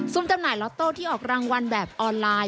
จำหน่ายล็อตโต้ที่ออกรางวัลแบบออนไลน์